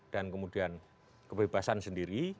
dan kemudian kebebasan sendiri